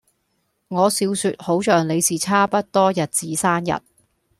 我笑說好像你是差不多日子生日